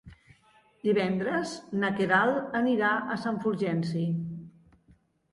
Divendres na Queralt anirà a Sant Fulgenci.